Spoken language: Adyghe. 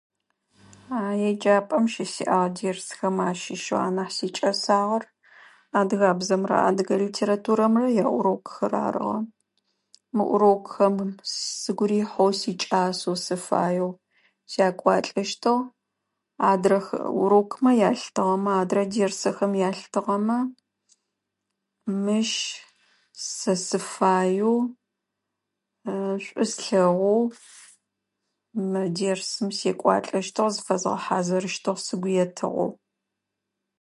А еджапэм щысиӏагъ дэрсхэм ащыщэу анахь сикӏэсагъэр адыгабзэмрэ Адыгэ литературэмрэ я урокхэр арыгъэ. Мы урокхэм сыгу рихьэу, сикӏасэу, сыфаеу сэкӏуалэщтыгъ. Адрэ урокмэ елъытыгъэмэ адрэ дерсэхэм елъытыгъэмэ мыщ сэ сыфаеу шӏу слъэгъугъ мы дерсым сэкӏуалэщтыгъ, сызфэхьазырыщтыгъ сыгу етыгъэу.